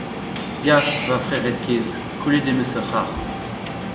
Ya, va frered kaezh, kollet em eus ur c’har.